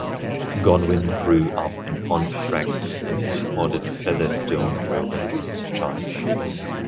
Godwin grew up in Pontefract and supported Featherstone Rovers as a child.